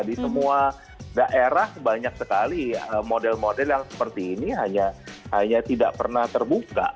di semua daerah banyak sekali model model yang seperti ini hanya tidak pernah terbuka